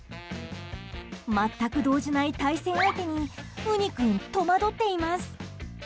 全く動じない対戦相手にうに君、戸惑っています。